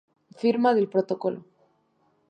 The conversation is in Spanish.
Firma del protocolo